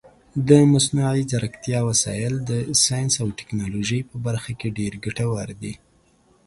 د مصنوعي ځیرکتیا وسایل د ساینس او ټکنالوژۍ په برخه کې ډېر ګټور دي.